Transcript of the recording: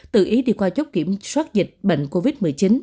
tự ý đi qua chốt kiểm soát dịch bệnh covid một mươi chín